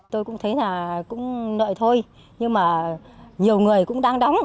tôi cũng thấy là cũng nợi thôi nhưng mà nhiều người cũng đang đóng